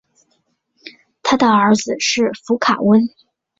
他的儿子是佛卡温。